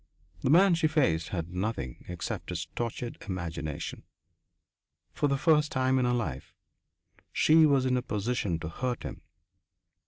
The man she faced had nothing except his tortured imagination. For the first time in her life she was in a position to hurt him.